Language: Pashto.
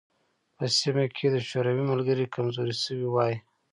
په سیمه کې د شوروي ملګري کمزوري شوي وای.